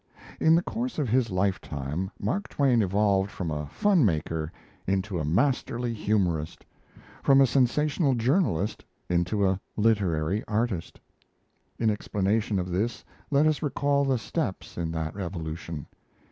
In the course of his lifetime, Mark Twain evolved from a fun maker into a masterly humorist, from a sensational journalist into a literary artist. In explanation of this, let us recall the steps in that evolution.